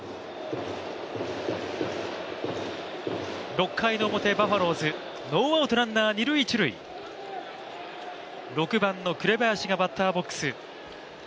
６回の表、バファローズ、ノーアウトランナー、二塁一塁６番の紅林がバッターボックス。